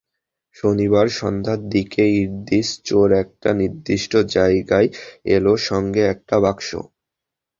শনিবার সন্ধ্যার দিকে ইদ্রিস চোর একটা নির্দিষ্ট জায়গায় এল, সঙ্গে একটা বাক্স।